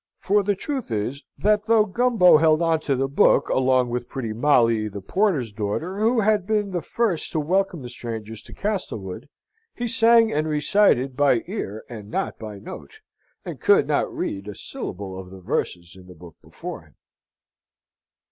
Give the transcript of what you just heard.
For the truth is, that though Gumbo held on to the book, along with pretty Molly, the porter's daughter, who had been the first to welcome the strangers to Castlewood, he sang and recited by ear and not by note, and could not read a syllable of the verses in the book before him.